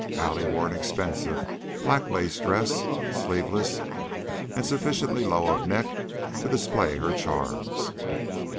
Allie wore an expensive black lace dress, sleeveless and sufficiently low of neck to display her charms.